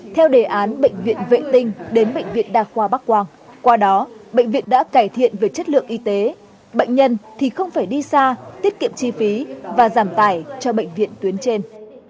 theo đề án bệnh viện vệ tinh đến bệnh viện đa khoa bắc quang qua đó bệnh viện đã cải thiện về chất lượng y tế bệnh nhân thì không phải đi xa tiết kiệm chi phí và giảm tài cho bệnh viện tuyến trên